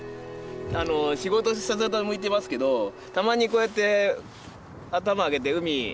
仕事下向いてますけどたまにこうやって頭上げて海